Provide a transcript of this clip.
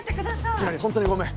きなりホントにごめん。